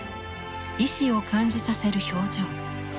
意思を感じさせる表情。